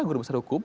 ya guru besar hukum